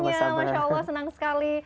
masya allah senang sekali